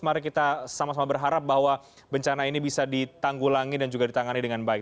mari kita sama sama berharap bahwa bencana ini bisa ditanggulangi dan juga ditangani dengan baik